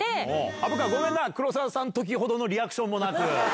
虻川、ごめんな、黒沢さんのときほどリアクションもなく。